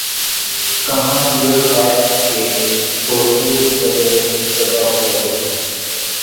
کہاں یہ خاک کے تودے تلے دبا ہوا جسم